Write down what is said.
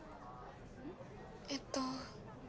えっと